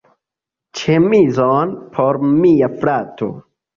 Ĉemizon por mia frato.